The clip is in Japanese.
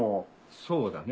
そうだね。